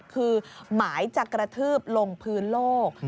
คือหมายจะกระทืบลงพื้นโลก